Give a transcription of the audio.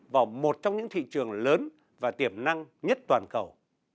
vào một trong những thị trường lớn và tiềm năng nhất toàn cầu